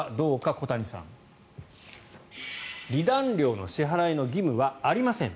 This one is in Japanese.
小谷さん、離檀料の支払いの義務はありません